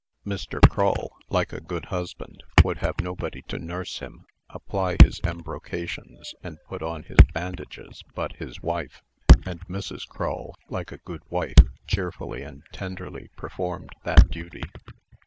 Mr. Crull, like a good husband, would have nobody to nurse him, apply his embrocations, and put on his bandages, but his wife; and Mrs. Crull, like a good wife, cheerfully and tenderly performed that duty.